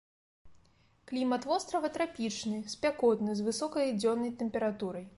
Клімат вострава трапічны, спякотны з высокай дзённай тэмпературай.